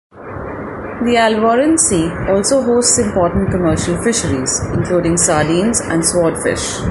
The Alboran sea also hosts important commercial fisheries, including sardines and swordfish.